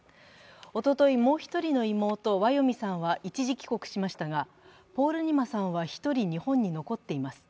おととい、もう１人の妹、ワヨミさんは一時帰国しましたが、ポールニマさんは１人日本に残っています。